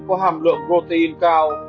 có hàm lượng protein cao